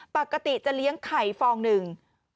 ปกติจะเลี้ยงไข่ฟองหนึ่ง